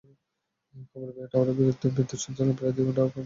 খবর পেয়ে টাওয়ারে বিদ্যুৎ সঞ্চালন প্রায় দুই ঘণ্টা বন্ধ রাখা হয়েছিল।